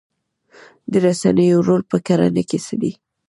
د رسنیو رول په کرنه کې څه دی؟